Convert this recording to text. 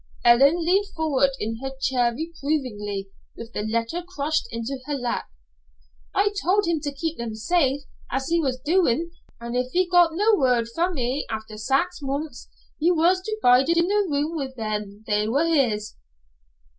Ellen leaned forward in her chair reprovingly, with the letter crushed in her lap. "I told him to keep them safe, as he was doin', an' if he got no word fra' me after sax months, he was to bide in the room wi' them they were his."